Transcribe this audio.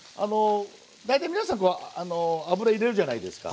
大体皆さん油入れるじゃないですか。